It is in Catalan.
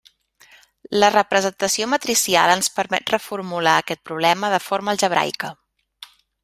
La representació matricial ens permet reformular aquest problema de forma algebraica.